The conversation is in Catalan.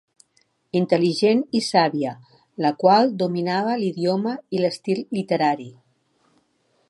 Intel·ligent i sàvia, la qual dominava l'idioma i l'estil literari.